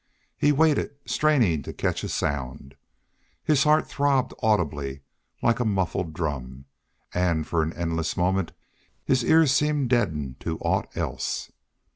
He waited, straining to catch a sound. His heart throbbed audibly, like a muffled drum, and for an endless moment his ears seemed deadened to aught else.